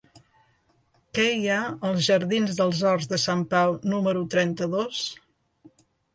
Què hi ha als jardins dels Horts de Sant Pau número trenta-dos?